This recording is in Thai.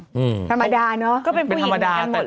อือธรรมาดาเนาะก็เป็นผู้หิวอย่างที่รักหมดเลย